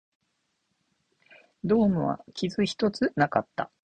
ドームは傷一つなかった